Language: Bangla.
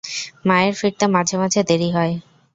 মায়ের ফিরতে মাঝে মাঝে দেরী হয়।